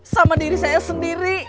sama diri saya sendiri